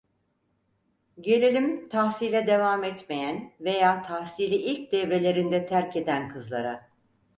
Gelelim tahsile devam etmeyen veya tahsili ilk devrelerinde terk eden kızlara...